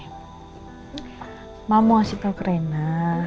mama mau kasih tau ke rena